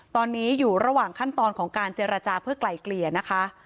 ตอนนี้อยู่ระหว่างขั้นตอนของการเจรจาเพื่อไกลเกลี่ยนะคะ